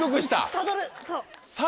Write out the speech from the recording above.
サドル。